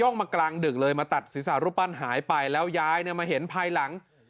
มากลางดึกเลยมาตัดศีรษะรูปปั้นหายไปแล้วยายเนี่ยมาเห็นภายหลัง